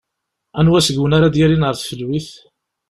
Anwa seg-wen ara d-yalin ɣer tfelwit?